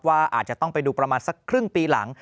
อาจจะต้องไปดูประมาณสักครึ่งปีหลัง